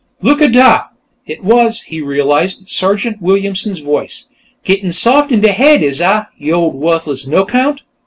Look a dah!" It was, he realized, Sergeant Williamson's voice. "Gittin' soft in de haid, is Ah, yo' ol' wuthless no 'count?"